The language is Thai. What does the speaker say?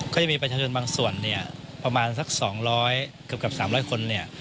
ก็จะมีประชาชนบางส่วนเนี้ยประมาณสักสองร้อยเกือบกับสามร้อยคนเนี้ย